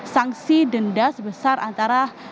sanksi denda sebesar antara